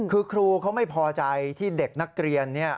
คือครูเขาไม่พอใจที่เด็กนักเรียน